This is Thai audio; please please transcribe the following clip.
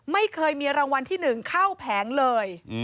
ไม่เคยมีรางวัลที่๑เข้าแผงเลย